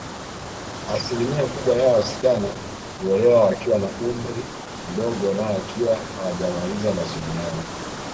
Asilimia kubwa ya wasichana huolewa wakiwa na umri mdogo na wakiwa hawajamaliza masomo yao